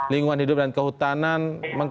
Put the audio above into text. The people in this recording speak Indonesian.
lingkungan hidup dan kehutanan